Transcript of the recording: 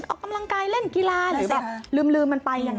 ออกกำลังกายเล่นกีฬาหรือแบบลืมมันไปยังไง